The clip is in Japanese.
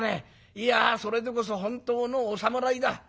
いやそれでこそ本当のお侍だ。